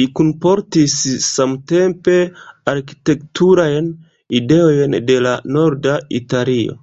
Li kunportis samtempe arkitekturajn ideojn de la norda Italio.